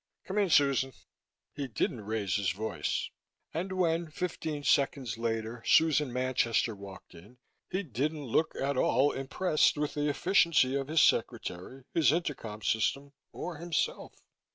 Come in, Susan." He didn't raise his voice; and when, fifteen seconds later, Susan Manchester walked in, he didn't look at all impressed with the efficiency of his secretary, his intercom system, or himself.